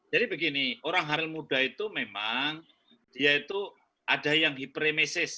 jadi begini orang haril muda itu memang dia itu ada yang hiperemesis